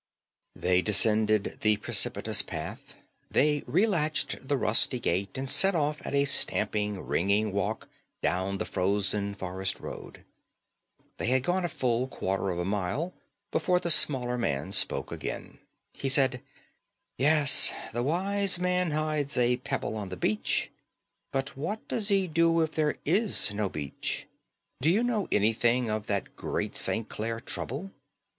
They descended the precipitous path, they relatched the rusty gate, and set off at a stamping, ringing walk down the frozen forest road. They had gone a full quarter of a mile before the smaller man spoke again. He said: "Yes; the wise man hides a pebble on the beach. But what does he do if there is no beach? Do you know anything of that great St. Clare trouble?"